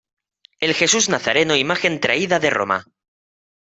El Jesús Nazareno imagen traída de Roma.